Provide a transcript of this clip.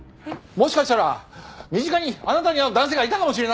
もしかしたら身近にあなたに合う男性がいたかもしれないんだよ！？